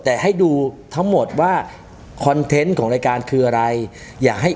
แต่ให้ดูแล้วทั้งหมดคอนเทนต์ของรายการคือไร